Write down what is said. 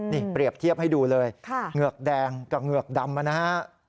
นี่เปรียบเทียบให้ดูเลยเหงือกแดงกับเหงือกดำนะฮะ